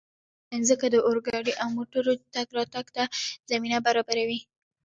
مځکه د اورګاډي او موټرو تګ راتګ ته زمینه برابروي.